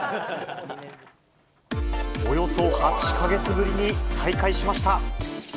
およそ８か月ぶりに再会しました。